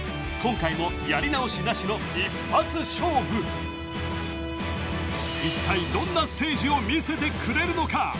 今回もやり直しなしの一発勝負一体どんなステージを見せてくれるのか？